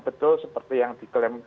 betul seperti yang diklaim